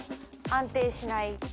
安定しない。